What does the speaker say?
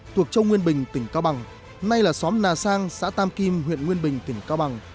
thuộc châu nguyên bình tỉnh cao bằng nay là xóm nà sang xã tam kim huyện nguyên bình tỉnh cao bằng